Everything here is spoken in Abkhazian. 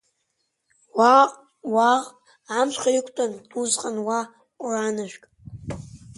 Уааҟ-уааҟ амшха иқәтәан усҟан уа ҟәраанажәк.